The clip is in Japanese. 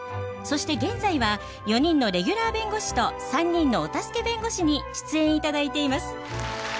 そして現在は４人のレギュラー弁護士と３人のお助け弁護士に出演頂いています。